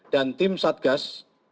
dan tim satgas